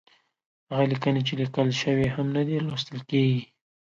هغه ليکنې چې ليکل شوې هم نه دي، لوستل کېږي.